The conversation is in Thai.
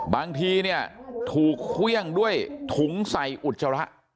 บางทีเนี่ยถูกเครื่องด้วยถุงใส่อุจจาระ